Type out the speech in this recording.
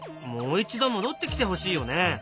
もう一度戻ってきてほしいよね。